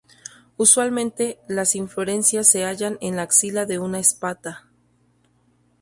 Usualmente las inflorescencias se hallan en la axila de una espata.